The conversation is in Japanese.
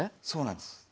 そうなんです。